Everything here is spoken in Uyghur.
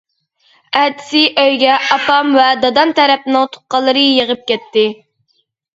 ئەتىسى ئۆيگە ئاپام ۋە دادام تەرەپنىڭ تۇغقانلىرى يېغىپ كەتتى.